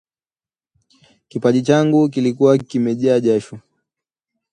kipaji changu kilikuwa kimejaa jasho